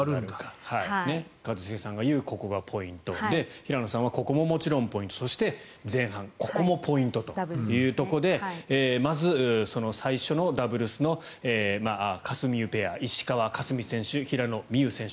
一茂さんが言うここがポイント平野さんはここももちろんポイントそして、前半ここもポイントというところでまず、その最初のダブルスのかすみうペア石川佳純選手、平野美宇選手。